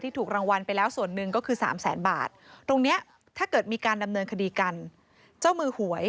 สาธารณะจะไม่รอลงอายาว่าถือเป็นเจ้ามืออะไรอีกอย่าง